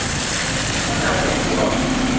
พนักงานเก็บตั๋ว